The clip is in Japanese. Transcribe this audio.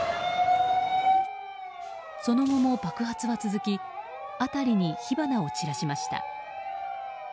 その後も爆発は続き辺りに火花を散らしました。